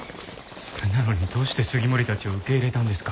それなのにどうして杉森たちを受け入れたんですか？